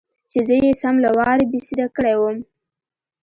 چې زه يې سم له وارې بېسده کړى وم.